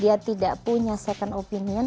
dia tidak punya second opinion